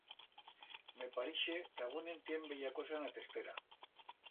Me parixe que agún en tien bella cosa en a testera...